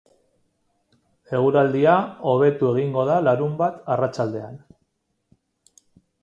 Eguraldia hobetu egingo da larunbat arratsaldean.